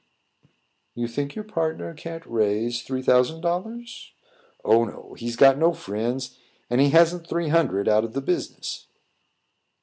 "You think your partner can't raise three thousand dollars?" "Oh, no; he's got no friends, and he hasn't three hundred out of the business."